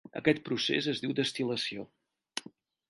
Aquest procés es diu destil·lació.